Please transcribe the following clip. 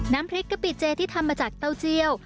น้ำพริกกะปิเจที่ทำมาจากเต้าเจียว